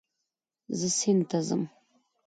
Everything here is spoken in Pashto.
زه سیند ته ځم